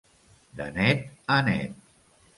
De net a net.